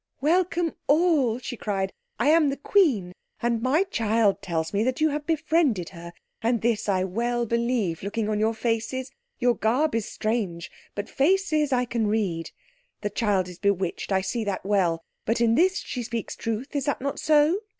"Welcome, all!" she cried. "I am the Queen, and my child tells me that you have befriended her; and this I well believe, looking on your faces. Your garb is strange, but faces I can read. The child is bewitched, I see that well, but in this she speaks truth. Is it not so?"